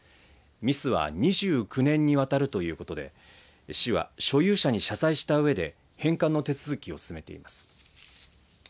ミスは２９年にわたるということで市は所有者に謝罪したうえで返還の手続きを進めています。